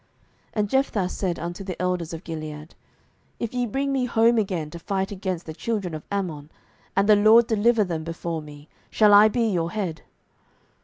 07:011:009 And Jephthah said unto the elders of Gilead, If ye bring me home again to fight against the children of Ammon, and the LORD deliver them before me, shall I be your head?